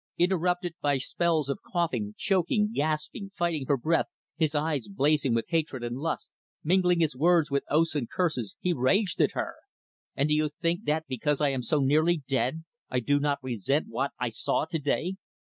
Interrupted by spells of coughing choking, gasping, fighting for breath, his eyes blazing with hatred and lust, mingling his words with oaths and curses he raged at her. "And do you think that, because I am so nearly dead, I do not resent what I saw, to day?